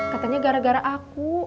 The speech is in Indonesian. katanya gara gara aku